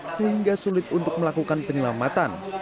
sehingga sulit untuk melakukan penyelamatan